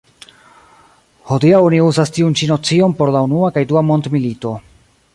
Hodiaŭ oni uzas tiun ĉi nocion por la unua kaj dua mondmilito.